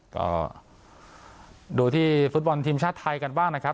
ก็ดูที่ฟุตบอลทีมชาติไทยกันบ้างนะครับ